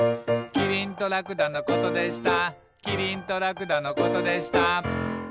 「きりんとらくだのことでした」